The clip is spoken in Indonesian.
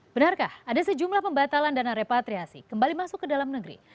benarkah ada sejumlah pembatalan dana repatriasi kembali masuk ke dalam negeri